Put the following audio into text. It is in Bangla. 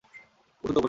উঠুন তো উপরে।